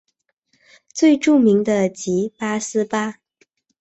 最著名的即八思巴。